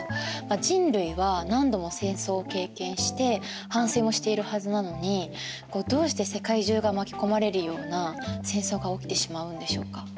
人類は何度も戦争を経験して反省もしているはずなのにどうして世界中が巻き込まれるような戦争が起きてしまうんでしょうか。